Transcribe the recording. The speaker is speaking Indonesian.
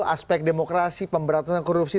aspek demokrasi pemberantasan korupsi